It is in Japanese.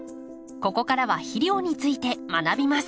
ここからは肥料について学びます。